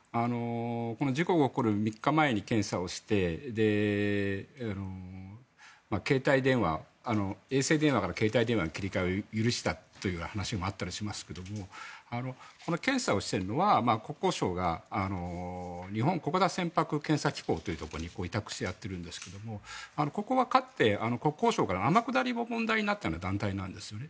事故が起こる３日前に検査をして衛星電話から携帯電話に切り替えを許したという話もあったりしますが検査をしているのは、国交省が日本国内船舶機構というところに委託してやってるんですがここはかつて国交省から天下りが問題になったような団体なんですね。